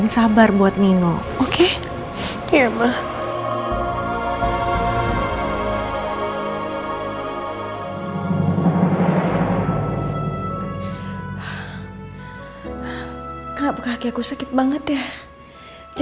kamu ini punya suami yang baik sekali